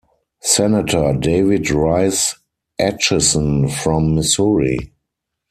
Senator David Rice Atchison from Missouri.